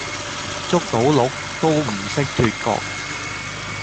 捉到鹿都唔識脫角